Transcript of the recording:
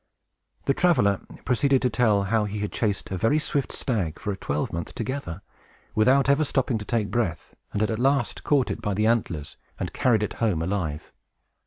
The traveler proceeded to tell how he had chased a very swift stag, for a twelvemonth together, without ever stopping to take breath, and had at last caught it by the antlers, and carried it home alive.